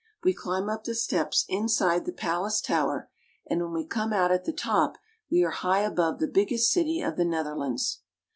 We climb up the steps inside the palace tower, and when we come out at the top, we are high above the biggest city of the Netherlands.